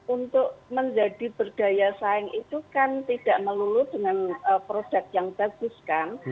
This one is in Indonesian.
untuk menjadi berdaya saing itu kan tidak melulu dengan produk yang bagus kan